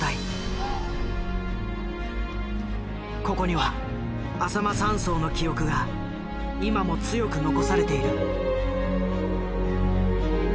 ここにはあさま山荘の記憶が今も強く残されている。